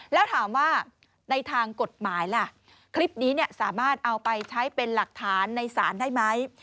แล้วถามว่าในทางกฎหมายล่ะคลิปนี้สามารถเอาไปใช้เป็นหลักฐานในศาลได้ไหม